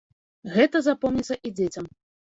Гэта запомніцца і дзецям.